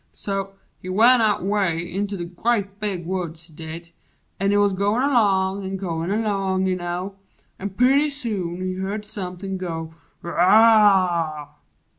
So, he went out 'Way in the grea' big woods he did. An' he Wuz goin' along an' goin' along, you know, An' purty soon he heerd somepin' go "Wooh!"